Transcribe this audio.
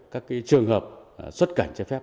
các trường hợp xuất cảnh trái phép